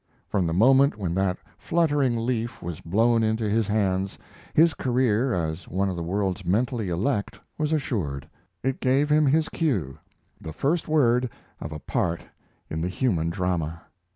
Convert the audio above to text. From the moment when that fluttering leaf was blown into his hands his career as one of the world's mentally elect was assured. It gave him his cue the first word of a part in the human drama.